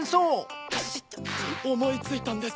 おもいついたんです